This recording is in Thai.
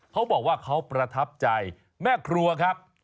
เขาบอกว่าเขาประทับใจแม่ครัวครับ